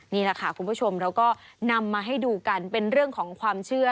นี่แหละค่ะคุณผู้ชมเราก็นำมาให้ดูกันเป็นเรื่องของความเชื่อ